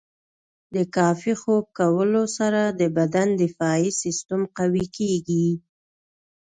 د کافي خوب کولو سره د بدن دفاعي سیستم قوي کیږي.